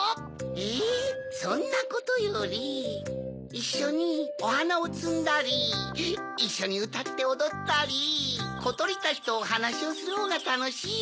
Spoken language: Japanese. えそんなことよりいっしょにおはなをつんだりいっしょにうたっておどったりことりたちとおはなしをするほうがたのしいよ。